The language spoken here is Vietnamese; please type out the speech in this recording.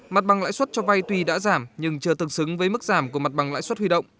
mặt bằng lãi suất cho vay tuy đã giảm nhưng chưa tương xứng với mức giảm của mặt bằng lãi suất huy động